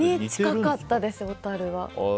近かったです、小樽は。